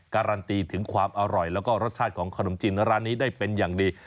การันตีถึงความอร่อยแล้วก็รสชาติของขนมจีนร้านนี้ได้เป็นอย่างดี